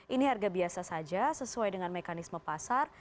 ini harga biasa saja sesuai dengan mekanisme pasar